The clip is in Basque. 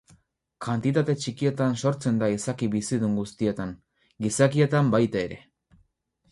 Kantitate txikietan sortzen da izaki bizidun guztietan, gizakietan baita ere.